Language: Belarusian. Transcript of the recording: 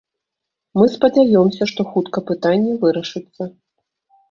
Мы спадзяёмся, што хутка пытанне вырашыцца.